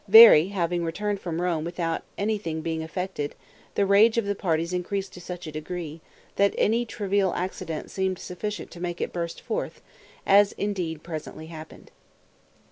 Veri having returned from Rome without anything being effected, the rage of the parties increased to such a degree, that any trivial accident seemed sufficient to make it burst forth, as indeed presently happened.